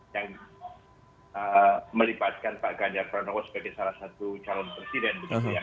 yang melibatkan pak ganjar pranowo sebagai salah satu calon presiden begitu ya